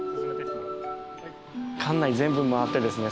館内全部回ってですね